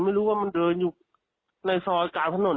ไม่รู้ว่ามันเดินอยู่ในซอยกลางถนน